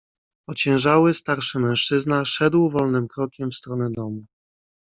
"Ociężały, starszy mężczyzna szedł wolnym krokiem w stronę domu."